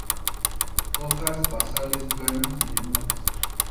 Hojas basales, planas, lineares.